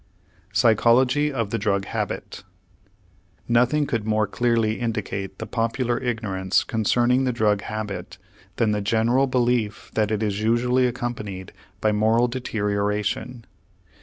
PSYCHOLOGY OF THE DRUG HABIT Nothing could more clearly indicate the popular ignorance concerning the drug habit than the general belief that it is usually accompanied by moral deterioration.